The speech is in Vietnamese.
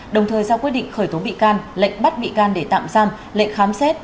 đồng thời ra quyết định khởi tố bị can lệnh bắt bị can để tạm giam lệnh khám xét